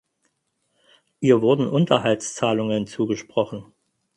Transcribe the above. Ihr wurden Unterhaltszahlungen zugesprochen.